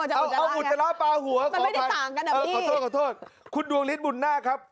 ไหนบอกจะปลาหัวไงมันไม่ได้ต่างกันนะพี่โทษคุณดวงฤทธิ์บุญหน้าครับ